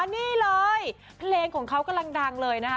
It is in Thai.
นี่เลยเพลงของเขากำลังดังเลยนะคะ